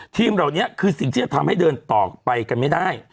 เหล่านี้คือสิ่งที่จะทำให้เดินต่อไปกันไม่ได้